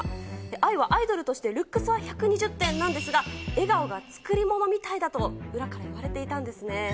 アイはアイドルとしてルックスは１２０点なんですが、笑顔が作り物みたいだと、裏からいわれていたんですね。